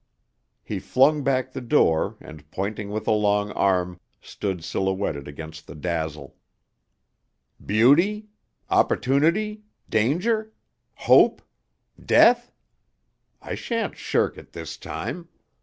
He flung back the door and, pointing with a long arm, stood silhouetted against the dazzle. "Beauty? Opportunity? Danger? Hope? Death? I shan't shirk it this time.